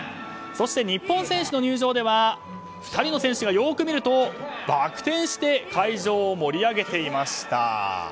そして日本選手の入場では２人の選手がよく見るとバク転して会場を盛り上げていました。